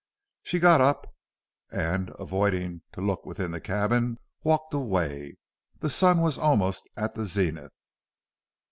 She got up and, avoiding to look within the cabin, walked away. The sun was almost at the zenith.